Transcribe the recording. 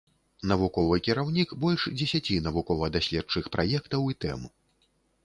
Навуковы кіраўнік больш дзесяці навукова-даследчых праектаў і тэм.